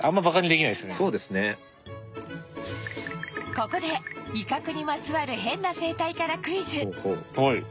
ここで威嚇にまつわるヘンな生態からクイズ